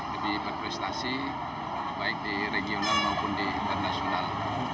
lebih berprestasi baik di regional maupun di internasional